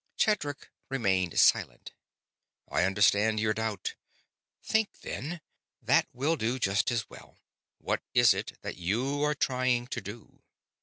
Tedric remained silent. "I understand your doubt. Think, then; that will do just as well. What is it that you are trying to do?"